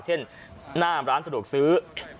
หน้าร้านสะดวกซื้อ